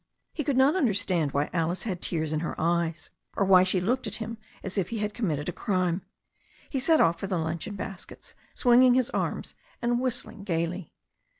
He could not understand why Alice had tears in her eyes, or why she looked at him as if he had committed a crime. He set off for the luncheon baskets, swinging his arms and whistling gaily.